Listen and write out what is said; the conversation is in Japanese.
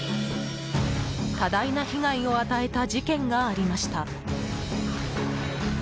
多大な被害を与えた事件がありました。